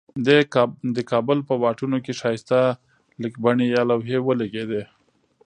دې کابل په واټونو کې ښایسته لیکبڼي یا لوحی ولګیدي.